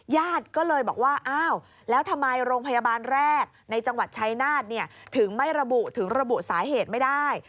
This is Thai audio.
ญาติก็เลยบอกว่าอ้าวแล้วทำไมโรงพยาบาลแรกในจังหวัดชายนาฏถึงไม่ระบุถึงระบุสาเหตุไม่ได้